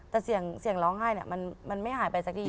แต่เสียงร้องไห้มันไม่หายไปสักที